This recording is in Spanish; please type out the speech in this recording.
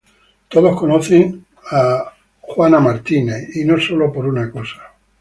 Todos conocen a Jessica Simpson, y no sólo por una cosa.